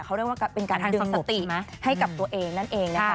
เขาเรียกว่าเป็นการดึงสติให้กับตัวเองนั่นเองนะคะ